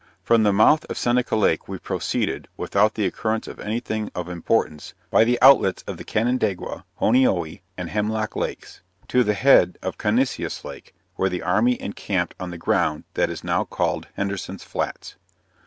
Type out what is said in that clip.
From the mouth of Seneca lake we proceeded, without the occurrence of any thing of importance, by the outlets of the Canandaigua, Honeoye, and Hemlock lakes, to the head of Connissius lake, where the army encamped on the ground that is now called Henderson's Flats.